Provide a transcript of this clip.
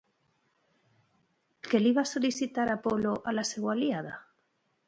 Què li va sol·licitar Apol·lo a la seva aliada?